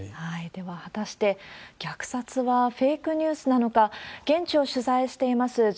では果たして、虐殺はフェイクニュースなのか、現地を取材しています